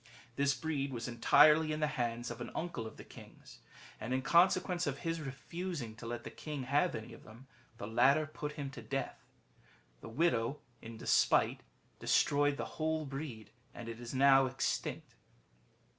This breed was entirely in the hands of an uncle of the king's ; and in consequence ol his refusing to let the king have any of them, the latter put him to death. The widow then, in despite, destroyed the whole breed, and it is now extinct."